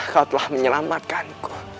kau telah menyelamatkan ku